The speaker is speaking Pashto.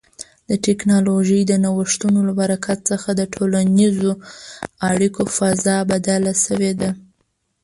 د ټکنالوژۍ د نوښتونو له برکت څخه د ټولنیزو اړیکو فضا بدله شوې ده.